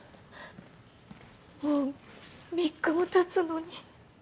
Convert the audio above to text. もう３日もたつのに。